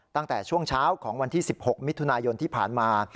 ตั้งแต่ช่วงเช้าของวันที่๑๖มิถุนายนที่ผ่านมา